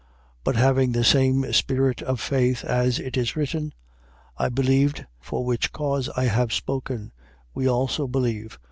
4:13. But having the same spirit of faith, as it is written: I believed, for which cause I have spoken; we also believe.